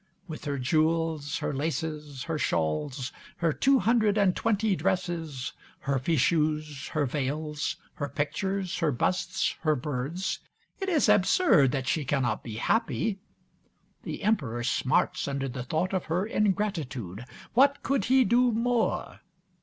With her jewels, her laces, her shawls; her two hundred and twenty dresses, her fichus, her veils; her pictures, her busts, her birds. It is absurd that she cannot be happy. The Emperor smarts under the thought of her ingratitude. What could he do more?